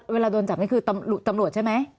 เวลาโดนจับนี่คือตำรวจใช่ไหม